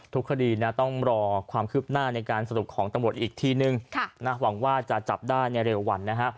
ทุกคดีต้องรอความคืบหน้าในการสนุกของตรงบทอีกทีนึงหวังว่าจะจับได้เร็วหวันนะคะ